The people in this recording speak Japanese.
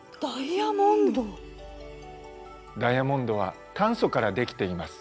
ダイヤモンドは炭素からできています。